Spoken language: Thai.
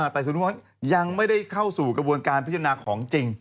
ใต้สวนมูลฟ้องยังไม่ได้เข้าสู่กระบวนการพิจารณาของจริง